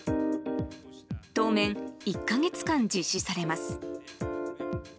当面、１か月間実施されます。